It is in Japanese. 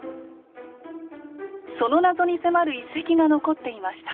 その謎に迫る遺跡が残っていました。